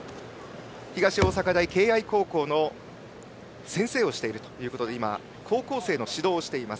東大阪大敬愛高校の先生をしているということで今、高校生の指導をしています。